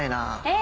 え！